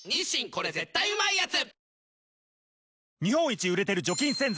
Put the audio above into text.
これ絶対うまいやつ」